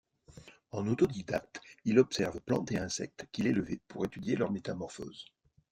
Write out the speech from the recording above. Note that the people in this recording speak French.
En autodidacte, il observe plantes et insectes qu'il élevait pour étudier leur métamorphose.